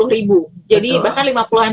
enam puluh ribu jadi bahkan lima puluh an